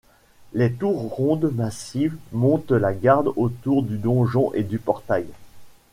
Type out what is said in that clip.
Les tours rondes massives montent la garde autour du donjon et du portail.